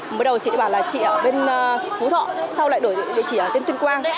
mới đầu chị bảo là chị ở bên hú thọ sau lại đổi địa chỉ ở bên tuyên quang